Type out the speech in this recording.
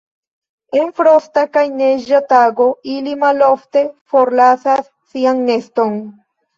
En frosta kaj neĝa tago ili malofte forlasas sian neston.